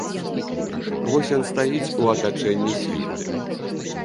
Вось ён стаіць у атачэнні світы.